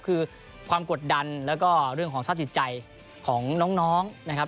คือความกดดันแล้วก็เรื่องของสภาพจิตใจของน้องนะครับ